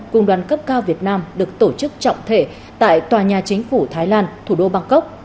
cùng đoàn cấp cao việt nam được tổ chức trọng thể tại tòa nhà chính phủ thái lan thủ đô bangkok